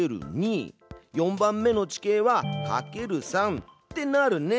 ４番目の地形はかける３ってなるね。